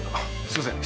すいません。